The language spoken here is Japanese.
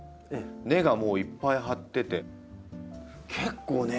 根がいっぱい張ってて結構ね。